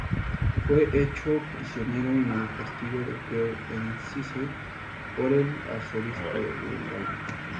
Fue hecho prisionero en el castillo de Pierre-Encise por el arzobispo de Lyon.